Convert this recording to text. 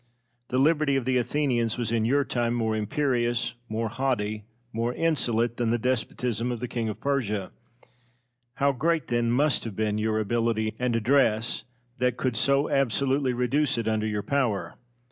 The liberty of the Athenians was in your time more imperious, more haughty, more insolent, than the despotism of the King of Persia. How great, then, must have been your ability and address that could so absolutely reduce it under your power!